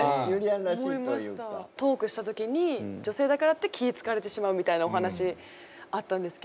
トークした時に女性だからって気ぃ遣われてしまうみたいなお話あったんですけど。